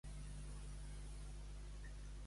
Déu desavinga a qui em mantinga.